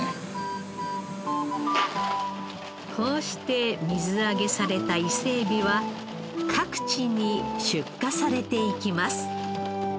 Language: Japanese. こうして水揚げされた伊勢えびは各地に出荷されていきます。